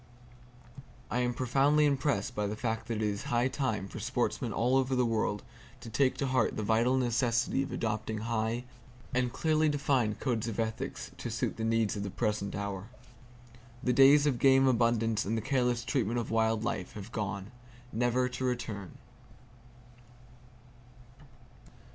I am profoundly impressed by the fact that it is high time for sportsmen all over the world to take to heart the vital necessity of adopting high and clearly defined codes of ethics, to suit the needs of the present hour. The days of game abundance, and the careless treatment of wild life have gone by, never to return.